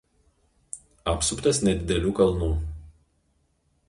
Apsuptas nedidelių kalnų.